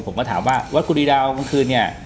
ผมก็ถามว่าวัดกุฎีดาวกลางคืนเนี่ย